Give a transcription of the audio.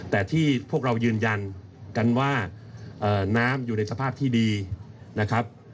แต่ที่พวกเรายืนยันกันว่าน้ำอยู่ในสภาพที่ดีนะครับ